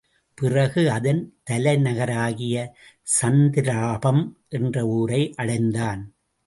பிறகு அதன் தலைநகராகிய சந்திராபம் என்ற ஊரை அடைந்தான்.